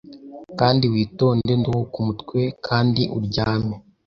kandi witonze nduhuke umutwe Kandi uryame